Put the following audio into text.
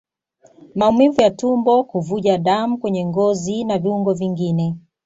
Maumivu ya tumbo Kuvuja damu kwenye ngozi na viungo vingine